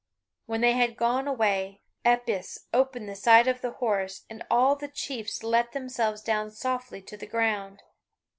When they had gone away Epeius opened the side of the horse, and all the chiefs let themselves down softly to the ground.